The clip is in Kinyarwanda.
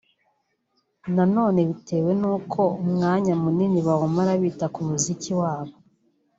nanone bitewe nuko umwanya munini bawumara bita ku muziki wabo